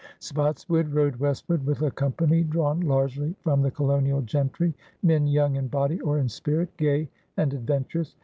Spotswood rode westward with a company drawn largely from the colonial gentry, men yomig in body or in spirit, gay and adventurous.